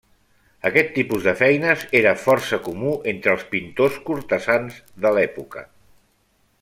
Aquest tipus de feines era força comú entre els pintors cortesans de l'època.